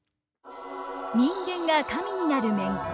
人間が神になる面。